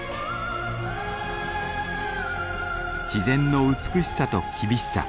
自然の美しさと厳しさ